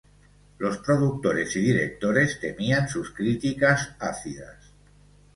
Los productores y directores temían sus "críticas ácidas".